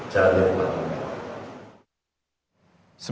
jalur yang paling pas